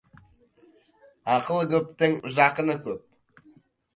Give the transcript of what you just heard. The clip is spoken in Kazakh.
Ақылы көптің жақыны көп.